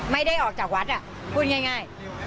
ไม่ได้ออกจากวัดพูดง่าย